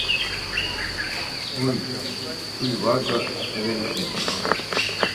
Huy, huy var do eveli şeni!